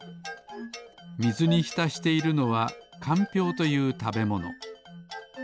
みずにひたしているのはかんぴょうというたべもの。